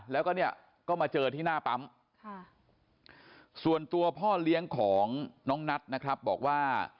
แล้วก็เนี่ยก็มาเจอที่หน้าปั๊มส่วนตัวพ่อเลี้ยงของน้องนัทนะครับบอกว่า